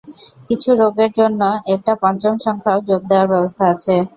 কিছু রোগের জন্য একটা পঞ্চম সংখ্যাও যোগ দেওয়ার ব্যবস্থা আছে।